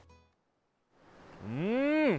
うん！